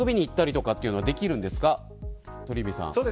遊びに行ったりできるんですか鳥海さん。